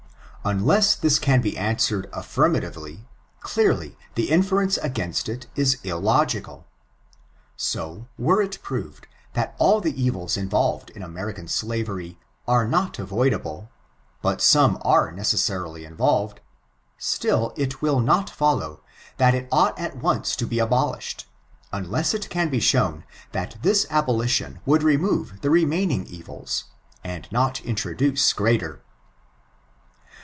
Unless this can be answered affirma tively, clearly, the inference against it is illogical. So, were it proved, that all the evils involved in American Slavery, are not avoidable, but some are necessarily involved; still it will not follow, that it ought at once to be abolished, unless it can be shown that this abolition would remove the remaining evils, and not introduce greater.